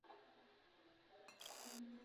Sus cauces de agua son cortos y de poca capacidad.